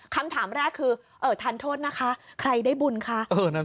คำถามแรกคือเอ่อทานโทษนะคะใครได้บุญค่ะเออนั่น